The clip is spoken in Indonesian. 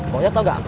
mau ojek tau nggak